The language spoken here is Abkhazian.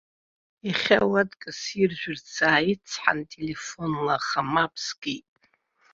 Иахьа ауатка сиржәырц ааицҳан телефонла, аха мап скит.